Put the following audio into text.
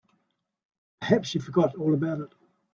Perhaps she forgot all about it.